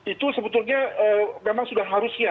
itu sebetulnya memang sudah harusnya